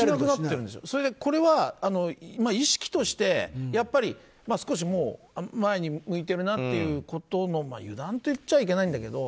これは意識として少し前に向いているなということの油断と言っちゃいけないんだけど。